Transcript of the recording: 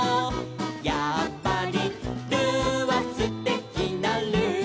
「やっぱりルーはすてきなルー」